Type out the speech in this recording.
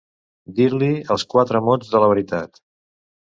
Dir-li els quatre mots de la veritat.